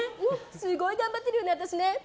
すごい頑張ってるよね、私ね。